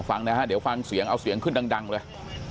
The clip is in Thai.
ฟังนะฮะเดี๋ยวฟังเสียงเอาเสียงขึ้นดังเลย